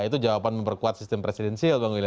itu jawaban memperkuat sistem presidensial bang will